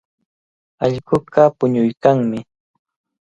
Allquqa puñuykanmi.